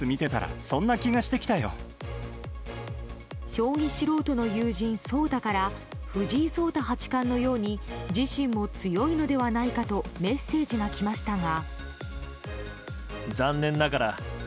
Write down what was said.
将棋素人の友人そうたから藤井聡太八冠のように自身も強いのではないかとメッセージが来ましたが。